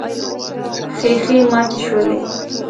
ښيښې ماتې شولې.